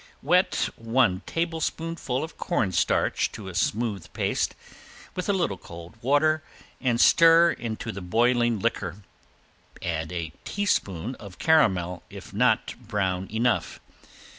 Wet one tablespoonful of cornstarch to a smooth paste with a little cold water and stir into the boiling liquor, add a teaspoon of caramel if not brown enough.